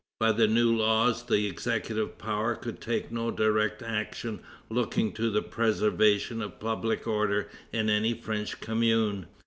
By the new laws, the executive power could take no direct action looking to the preservation of public order in any French commune.